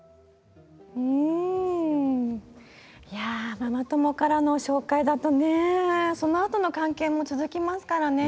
ママ友からの紹介だとねそのあとの関係も続きますからね。